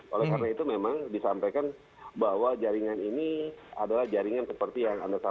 oleh karena itu memang disampaikan bahwa jaringan ini adalah jaringan seperti yang ada di jawa timur